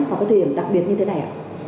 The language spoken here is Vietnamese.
vào các thời điểm đặc biệt như thế này